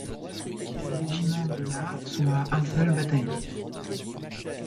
Les régiments de la sont à un seul bataillon.